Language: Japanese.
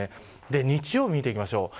日曜日、見ていきましょう。